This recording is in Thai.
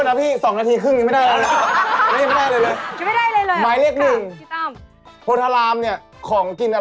มันต้องเริ่มจัดต้นตระกูลก่อนสิครับ